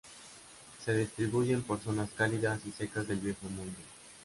Se distribuyen por zonas cálidas y secas del Viejo Mundo.